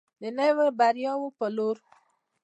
د نویو بریاوو په لور.